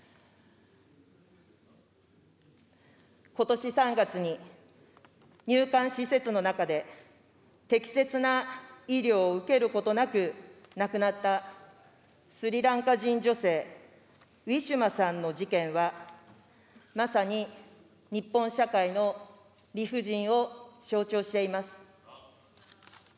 ことし３月に、入管施設の中で、適切な医療を受けることなく亡くなったスリランカ人女性、ウィシュマさんの事件は、まさに日本社会の理不尽を象徴しています。